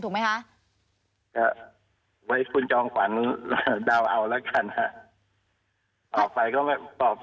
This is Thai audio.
ถูกไหมฮะไว้คุณจองฝันดาวเอาแล้วกันฮะต่อไปก็ต่อ